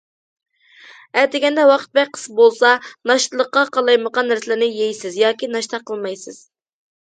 ئەتىگەندە ۋاقىت بەك قىس بولسا، ناشتىلىققا قالايمىقان نەرسىلەرنى يەيسىز ياكى ناشتا قىلمايسىز.